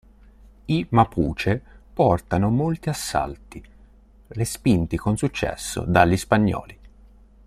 I Mapuche portarono molti assalti, respinti con successo dagli spagnoli.